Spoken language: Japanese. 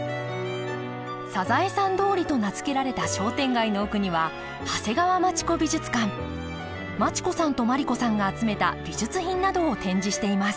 サザエさん通りと名付けられた商店街の奥には町子さんと毬子さんが集めた美術品などを展示しています。